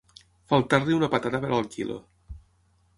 Faltar-li una patata per al quilo.